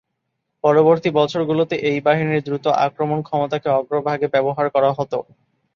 পরবর্তী বছরগুলোতে এই বাহিনীর দ্রুত আক্রমণ ক্ষমতাকে অগ্রভাগে ব্যবহার করা হত।